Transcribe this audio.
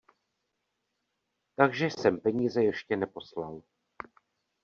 Takže jsem peníze ještě neposlal.